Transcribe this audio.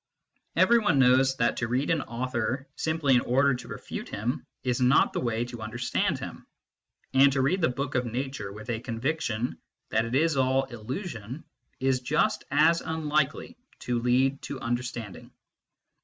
Everyone knows that to read an author simply in ordei to refute him is not the way to understand him ; and to read the book of Nature with a conviction that it is all illusion is just as unlikely to lead to understanding.